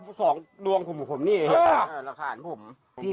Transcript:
พูดเหมือนเดิมคือพูดอะไร